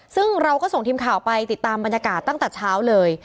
ซึ่งเราก็ส่งทีมข่าวไปติดตามบรรยากาศตั้งแต่เช้าเลย